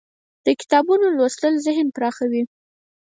د کتابونو لوستل ذهن پراخوي.